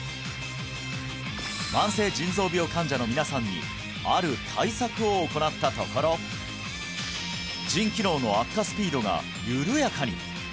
慢性腎臓病患者の皆さんにある対策を行ったところ腎機能の悪化スピードが緩やかに！